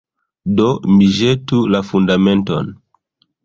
Do mi ĵetu la Fundamenton.